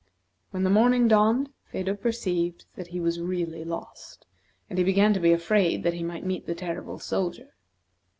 When the morning dawned, Phedo perceived that he was really lost, and he began to be afraid that he might meet the terrible soldier.